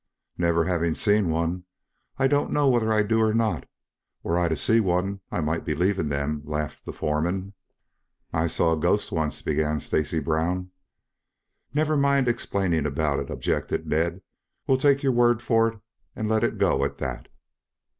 "Never having seen one, I don't know whether I do or not. Were I to see one I might believe in them," laughed the foreman. "I saw a ghost once," began Stacy Brown. "Never mind explaining about it," objected Ned. "We'll take your word for it and let it go at that."